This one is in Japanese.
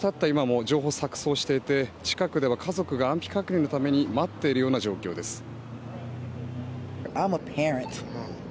今も情報は錯そうしていて、近くでは家族が安否確認のために待っているような状況です。